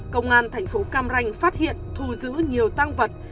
công an thành phố cam ranh phát hiện thu giữ nhiều tăng vật